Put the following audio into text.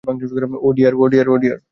ওহ, deer!